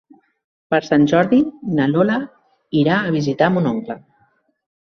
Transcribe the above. Per Sant Jordi na Lola irà a visitar mon oncle.